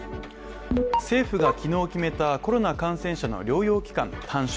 政府が昨日決めた、コロナ感染者の療養期間の短縮。